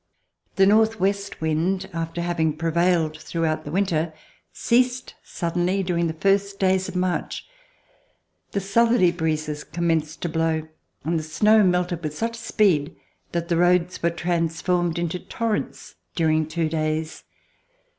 The northwest wind, after having prevailed throughout the winter, ceased suddenly during the first days of March. The southerly breezes commenced to blow, and the snow melted with such speed that the roads were trans formed into torrents during two days.